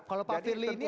kalau pak firly ini ya